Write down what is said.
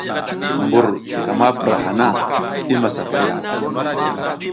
Mbur ka ma pura hana, i masafaya.